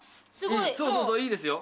そうそうそういいですよ